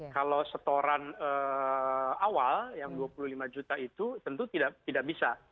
kalau setoran awal yang dua puluh lima juta itu tentu tidak bisa